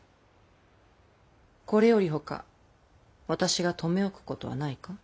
これよりほか私が留め置くことはないか？